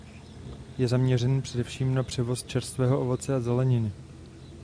Je zaměřený především na převoz čerstvého ovoce a zeleniny.